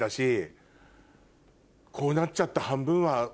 こうなっちゃった。